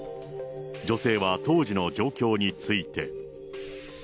女性は当時の状況について。